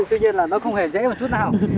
tuy nhiên là nó không hề dễ một chút nào